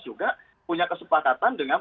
juga punya kesepakatan dengan